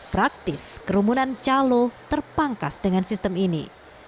praktis kerumunan calo terpangkas dengan sistem ini